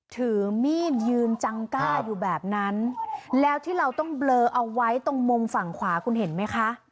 ถือมีดยืนจังกล้าอยู่แบบนั้นแล้วที่เราต้องเบลอเอาไว้ตรงมุมฝั่งขวาคุณเห็นไหมคะ